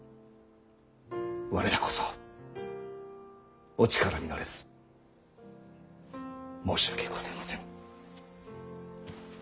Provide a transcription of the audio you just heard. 我らこそお力になれず申し訳ございません。